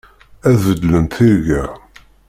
Ad beddlent tirga.